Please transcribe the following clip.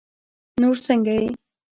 نور سنګه یی